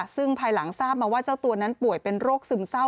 ซึ่งภายหลังทราบมาว่าเจ้าตัวนั้นป่วยเป็นโรคซึมเศร้า